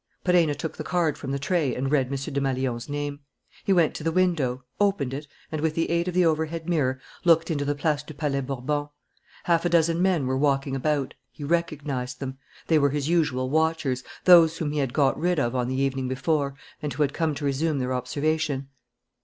Perenna took the card from the tray and read M. Desmalions's name. He went to the window, opened it and, with the aid of the overhead mirror, looked into the Place du Palais Bourbon. Half a dozen men were walking about. He recognized them. They were his usual watchers, those whom he had got rid of on the evening before and who had come to resume their observation.